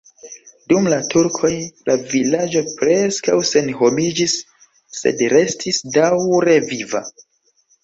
Dum la turkoj la vilaĝo preskaŭ senhomiĝis, sed restis daŭre viva.